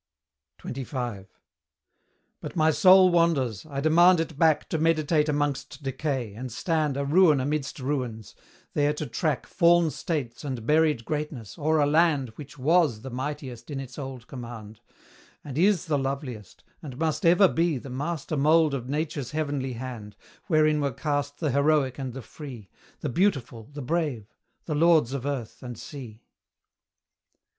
XXV. But my soul wanders; I demand it back To meditate amongst decay, and stand A ruin amidst ruins; there to track Fall'n states and buried greatness, o'er a land Which WAS the mightiest in its old command, And IS the loveliest, and must ever be The master mould of Nature's heavenly hand, Wherein were cast the heroic and the free, The beautiful, the brave the lords of earth and sea.